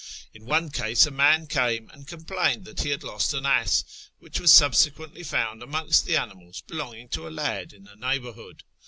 In one case a man came and complained that he had lost an ass, which was subsequently found amongst the animals belonging to a lad in the neighbour hood.